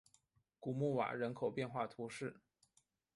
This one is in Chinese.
古穆瓦人口变化图示